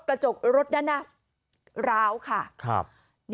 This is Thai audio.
กระจกรถนั่นน่ะร้าวค่ะรับ